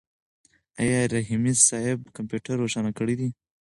آیا رحیمي صیب کمپیوټر روښانه کړی دی؟